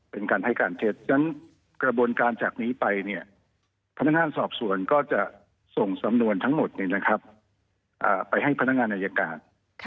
เป็นการให้การเท็จฉะนั้นกระบวนการจากนี้ไปเนี่ยพนักงานสอบสวนก็จะส่งสำนวนทั้งหมดไปให้พนักงานอายการ